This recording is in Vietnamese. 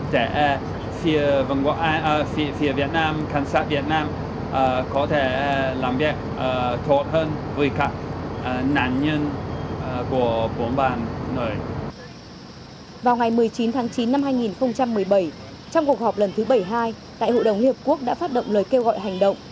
tại hội đồng liên hợp quốc đã phát động lời kêu gọi hành động